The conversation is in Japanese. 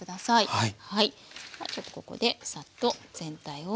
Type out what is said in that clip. はい。